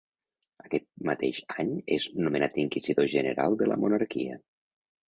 Aquest mateix any és nomenat inquisidor general de la monarquia.